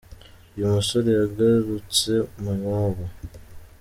Uyu musore yagarutse mu iwabo